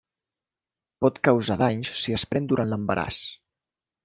Pot causar danys si es pren durant l'embaràs.